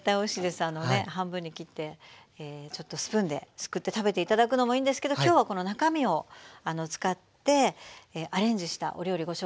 半分に切ってちょっとスプーンですくって食べて頂くのもいいんですけど今日はこの中身を使ってアレンジしたお料理ご紹介しますので。